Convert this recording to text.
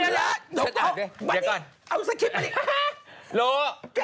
ชัดอ่านด้วยเดี๋ยวก่อนเอาสไคฟมานี่ฮ่า